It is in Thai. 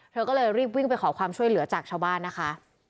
เธอก็เลยรีบวิ่งไปขอความช่วยเหลือจากชาวบ้านนะคะ